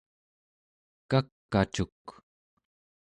kak'acuk